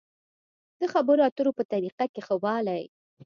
د خبرو اترو په طريقه کې ښه والی.